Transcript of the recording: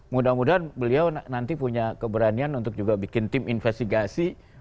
mudah mudahan beliau nanti punya keberanian untuk juga bikin tim investigasi